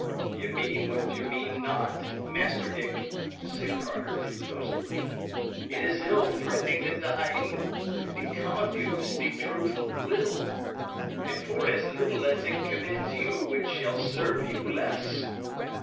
"Ye say what ye mean not, Master Dick," said Carter, composedly. "It is ill threatening the dying, and becometh you (to speak truth) little. And for as little as it commends you, it shall serve you less.